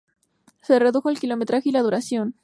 Se redujo el kilometraje y la duración.